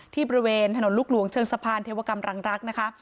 บริเวณถนนลูกหลวงเชิงสะพานเทวกรรมรังรักษ์นะคะ